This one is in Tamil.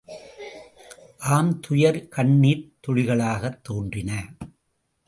ஆம் துயர் கண்ணிர்த் துளிகளாகத் தோன்றின.